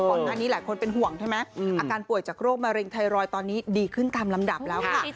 หลายคนเป็นห่วงใช่ไหมอาการป่วยจากโรคมะเร็งไทรอยด์ตอนนี้ดีขึ้นตามลำดับแล้วค่ะ